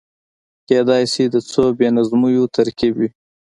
کېدای شي د څو بې نظمیو ترکيب وي.